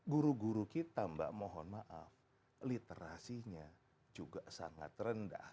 guru guru kita mbak mohon maaf literasinya juga sangat rendah